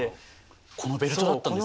このベルトだったんですね。